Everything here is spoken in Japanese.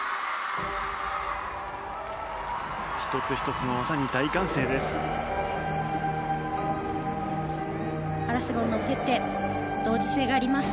１つ１つの技に大歓声です。